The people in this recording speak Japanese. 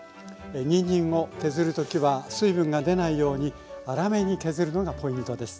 にんじんを削るときは水分が出ないように粗めに削るのがポイントです。